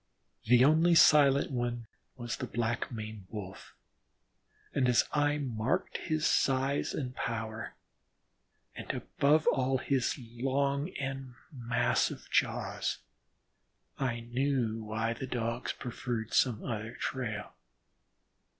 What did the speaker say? The only silent one was the black maned Wolf, and as I marked his size and power, and above all his long and massive jaws, I knew why the Dogs preferred some other trail.